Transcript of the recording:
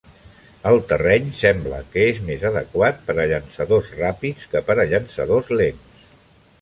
El terreny sembla que és més adequat per a llançadors ràpids que per a llançadors lents.